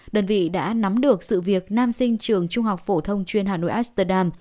đơn vị đã nắm được sự việc nam sinh trường trung học phổ thông chuyên hà nội asterdam